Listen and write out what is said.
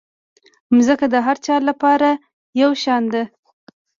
مځکه د هر چا لپاره یو شان ده.